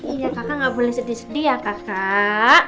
iya kakak gak boleh sedih sedih ya kakak